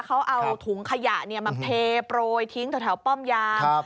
เขาเอาถุงขยะมาเทโปรยทิ้งแถวป้อมยาม